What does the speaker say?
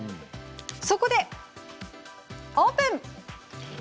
そこでオープン！